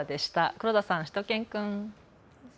黒田さん、しゅと犬くん。